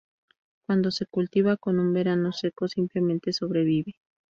Cuando se cultiva con un verano seco simplemente sobrevive.